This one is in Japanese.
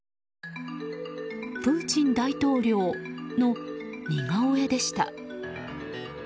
プーチン大統領の似顔絵でした。